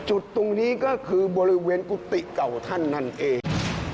จุดตรงนี้ก็คือบริเวณกุฏิเก่าท่านนั่นเอง